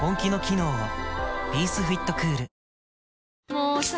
もうさ